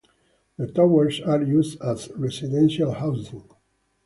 The towers are used as residential housing.